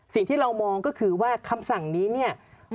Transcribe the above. สิ่งที่เรามองก็คือว่าคำสั่งนี้เนี่ย